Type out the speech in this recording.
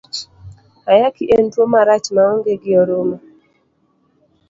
Ayaki en tuo marach maonge gi oruma.